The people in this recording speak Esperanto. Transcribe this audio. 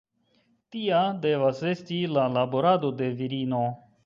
Tia devas esti la laborado de virino.